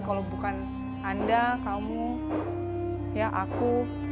kalau bukan anda kamu ya aku